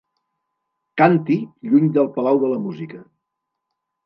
Càntir lluny del Palau de la Música.